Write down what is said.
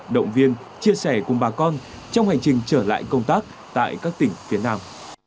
động viên chia sẻ cùng bà con trong hành trình trở lại công tác tại các tỉnh phía nam